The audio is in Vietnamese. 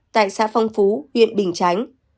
tại xã phong phú huyện bình tránh